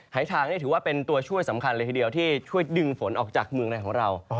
ฉางนี่ถือว่าเป็นตัวช่วยสำคัญเลยทีเดียวที่ช่วยดึงฝนออกจากเมืองในของเรา